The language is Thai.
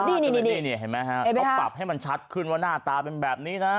นี่เขาปรับให้มันชัดขึ้นว่าหน้าตาเป็นแบบนี้นะ